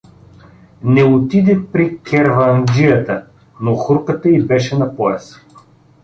Не отиде при керванджията, но хурката й беше на пояса.